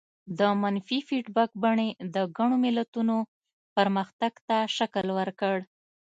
د منفي فیډبک بڼې د ګڼو ملتونو پرمختګ ته شکل ورکړ.